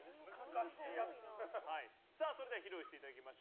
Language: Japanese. それでは披露していただきます。